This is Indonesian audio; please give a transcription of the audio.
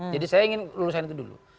jadi saya ingin lulusan itu dulu